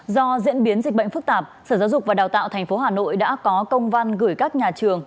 do diễn biến dịch bệnh phức tạp sở giáo dục và đào tạo tp hà nội đã có công văn gửi các nhà trường